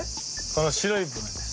この白い部分です。